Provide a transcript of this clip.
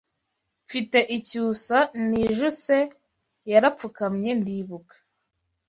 Mfite icyusa nijuse Yarapfukamye ndibuka